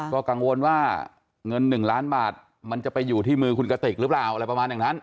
ก็กังวลว่าเงิน๑ล้านบาทมันจะไปอยู่ที่มือคุณกติกหรือเปล่าอะไรประมาณอย่างนั้น